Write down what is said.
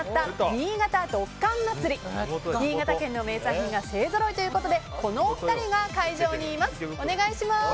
新潟県の名産品が勢ぞろいということでこのお二人が会場にいます。